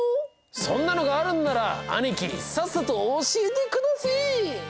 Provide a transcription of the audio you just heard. そんなのがあるんなら兄貴さっさと教えてくだせえ！